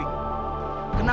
itu dia tidak